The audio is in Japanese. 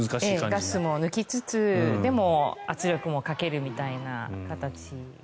ガスも抜きつつでも圧力もかけるみたいな形で。